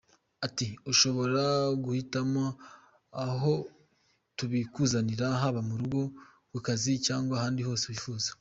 Ati:” Ushobora guhitamo aho tubikuzanira haba mu rugo, ku kazi cyangwa ahandi hose wifuza.